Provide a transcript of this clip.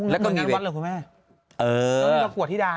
แล้วก็มีเวทย์มีแบบว่างานวัดเหรอคุณแม่